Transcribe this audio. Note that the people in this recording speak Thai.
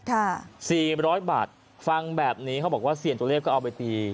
สี่ร้อยบาทฟังแบบนี้เขาบอกว่าเสี่ยงตัวเลขก็เอาไปตี